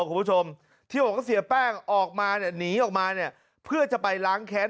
คุณผู้ชมที่บอกว่าเสียแป้งออกมาเนี่ยหนีออกมาเนี่ยเพื่อจะไปล้างแค้น